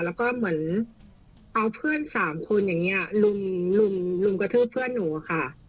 แล้วก็เหมือนเอาเพื่อน๓คนอย่างนี้ลุมกระทืบเพื่อนหนูอะค่ะ